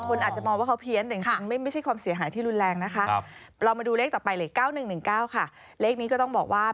คนอาจจะมองว่าเขาเพี้ยนแต่ไม่ใช่ความเสียหายที่รุนแรงนะคะ